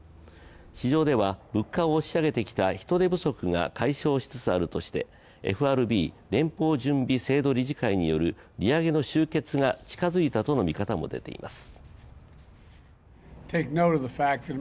市場では物価を押し上げてきた人手不足が解消しつつあるとしてＦＲＢ＝連邦準備制度理事会による利上げの終結が近づいたとの見方も出ています。